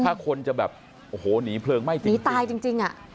ถ้าคนจะแบบโอ้โหหนีเพลิงไหม้จริงหนีตายจริงอ่ะ